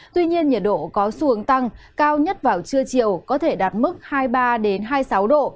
tuy nhiên nhiệt độ có xu hướng tăng cao nhất vào trưa chiều có thể đạt mức hai mươi ba hai mươi sáu độ